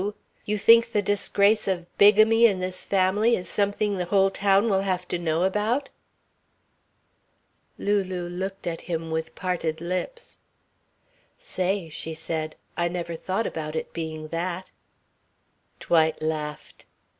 You think the disgrace of bigamy in this family is something the whole town will have to know about?" Lulu looked at him with parted lips. "Say," she said, "I never thought about it being that." Dwight laughed.